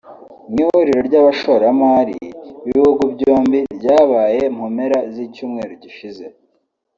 Mu ihuriro ry’abashoramari b’ibihugu byombi ryabaye mu mpera z’icyumweru gishize